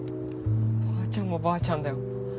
ばあちゃんもばあちゃんだよ。